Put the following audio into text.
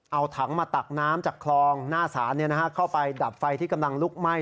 เอาถังมาตักน้ำจากคลองหน้าศาลเข้าไปดับไฟที่กำลังลุกไหม้